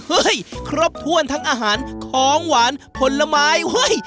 ครบถ้วนทั้งอาหารของหวานผลไม้เฮ้ย